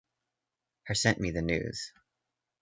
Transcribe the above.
Her sent me the news.